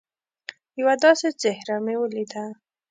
یوه داسي څهره مې ولیده